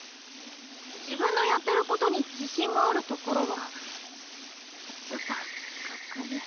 自分のやってることに自信があるところはちょっとかっこいい。